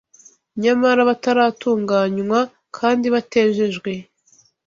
nyamara bataratunganywa kandi batejejwe